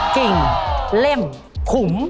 กิ่งเล่มขุม